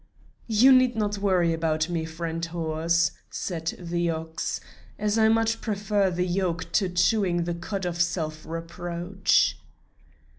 "You need not worry about me, friend horse," said the ox, "as I much prefer the yoke to chewing the cud of self reproach."